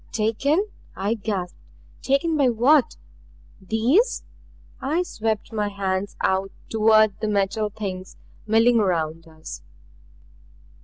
"Taken!" I gasped. "Taken by what these?" I swept my hands out toward the Metal Things milling around us.